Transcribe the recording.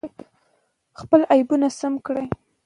خپل عیبونه سم کړئ.